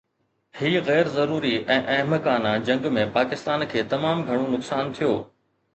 هن غير ضروري ۽ احمقانه جنگ ۾ پاڪستان کي تمام گهڻو نقصان ٿيو.